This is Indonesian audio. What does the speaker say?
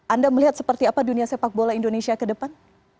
anda melihat seperti apa dunia sepak bola indonesia ke depan